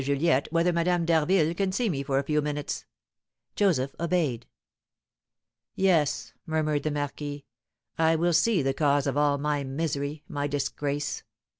Juliette whether Madame d'Harville can see me for a few minutes." Joseph obeyed. "Yes," murmured the marquis, "I will see the cause of all my misery, my disgrace.